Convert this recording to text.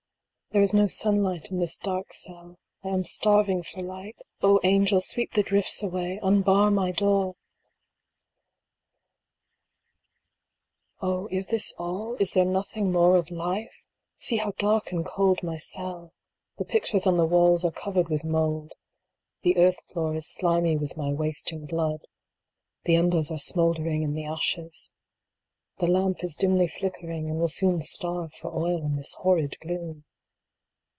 There is no sunlight in this dark cell. I am starving for light O angels I sweep the drifts away unbar my door ! II. Oh, is this all ? Is there nothing more of life ? 6 7 68 DRIFTS THAT BAR MY DOOR. See how dark and cold my cell. The pictures on the walls are covered with mould. The earth floor is slimy with my wasting blood The embers are smouldering in the ashes. The lamp is dimly flickering, and will soon starve for oil in this horrid gloom.